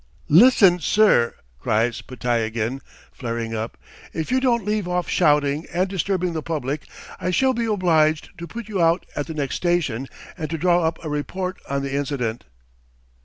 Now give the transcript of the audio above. "Listen, sir!" cries Podtyagin, flaring up. "If you don't leave off shouting and disturbing the public, I shall be obliged to put you out at the next station and to draw up a report on the incident!"